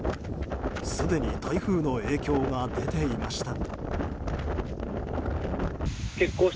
すでに台風の影響が出ていました。